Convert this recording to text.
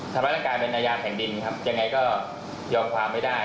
ธรรมนักกายเป็นอาญาแข่งดินครับยังไงก็ยอมความไม่ได้